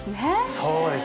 そうです。